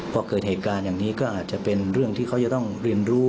พอเกิดเหตุการณ์อย่างนี้ก็อาจจะเป็นเรื่องที่เขาจะต้องเรียนรู้